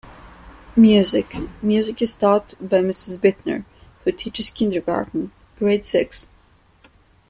Music: Music is taught by Mrs. Bittner, who teaches Kindergarten - Grade Six.